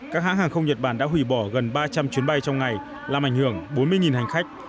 các hãng hàng không nhật bản đã hủy bỏ gần ba trăm linh chuyến bay trong ngày làm ảnh hưởng bốn mươi hành khách